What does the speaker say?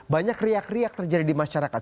banyak riak riak terjadi di masyarakat